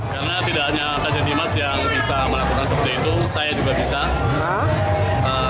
karena tidak hanya kanjeng dimas yang bisa melakukan seperti itu saya juga bisa